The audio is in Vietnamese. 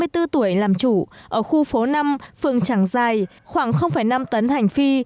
năm mươi bốn tuổi làm chủ ở khu phố năm phương trảng giai khoảng năm tấn hành phi